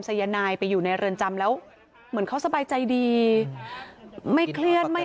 สายนายไปอยู่ในเรือนจำแล้วเหมือนเขาสบายใจดีไม่เครียดไม่